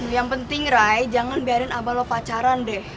yang penting rai jangan biarin abah lo pacaran deh